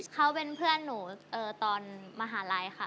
เขาเป็นเพื่อนหนูตอนมหาลัยค่ะ